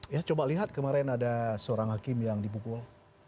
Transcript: ya coba lihat kemarin ada seorang hakim yang dipukul